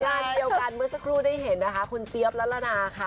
งานเดียวกันเมื่อสักครู่ได้เห็นนะคะคุณเจี๊ยบละละนาค่ะ